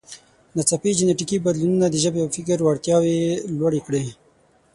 ناڅاپي جینټیکي بدلونونو د ژبې او فکر وړتیاوې لوړې کړې.